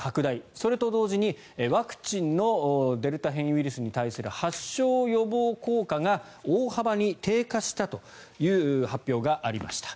それと同時に、ワクチンのデルタ変異ウイルスに対する発症予防効果が大幅に低下したという発表がありました。